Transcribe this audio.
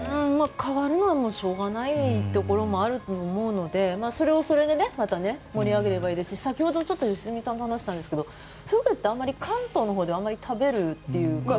変わるのはしょうがないところもあると思うのでそれをそれでまた盛り上げればいいですし先ほど良純さんと話したんですがフグって関東のほうではあまり食べるっていう。